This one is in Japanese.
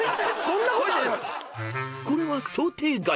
［これは想定外。